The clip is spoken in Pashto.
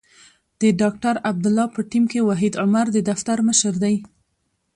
د ډاکټر عبدالله په ټیم کې وحید عمر د دفتر مشر دی.